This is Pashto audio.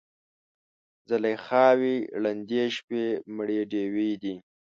زلیخاوې ړندې شوي مړې ډیوې دي